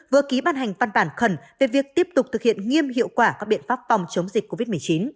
vừa ký ban hành văn bản khẩn về việc tiếp tục thực hiện nghiêm hiệu quả các biện pháp phòng chống dịch covid một mươi chín